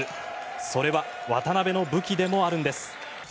それは渡邊の武器でもあるんです。